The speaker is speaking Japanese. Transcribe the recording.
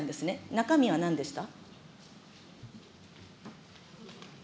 中身はなんでした。